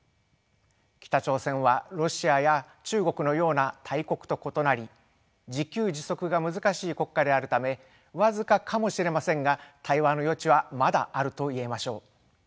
北朝鮮はロシアや中国のような大国と異なり自給自足が難しい国家であるため僅かかもしれませんが対話の余地はまだあるといえましょう。